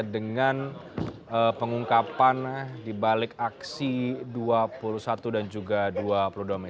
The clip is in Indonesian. dengan pengungkapan dibalik aksi dua puluh satu dan juga dua puluh dua mei